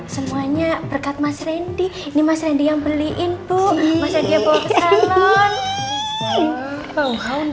semuanya berkat mas randy ini mas randy yang beliin bu mas randy yang bawa ke salon